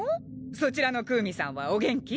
そちらのクウミさんはお元気？